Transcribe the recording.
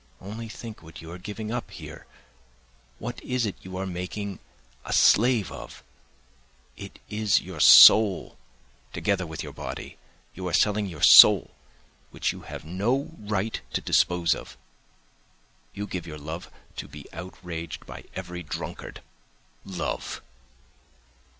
Only think what you are giving up here? What is it you are making a slave of? It is your soul, together with your body; you are selling your soul which you have no right to dispose of! You give your love to be outraged by every drunkard! Love!